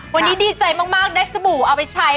วันนี้ดีใจมากได้สบู่เอาไปใช้